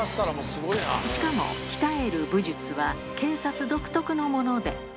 しかも鍛える武術は警察独特のもので。